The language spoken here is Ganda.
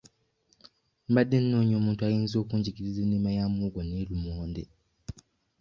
Mbadde noonya omuntu ayinza okunjigiriza ennima ya muwogo ne lumonde.